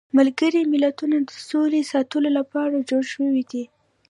ملګري ملتونه د سولې ساتلو لپاره جوړ شویدي.